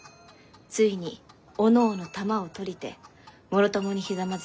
ついにおのおの玉をとりてもろともに跪き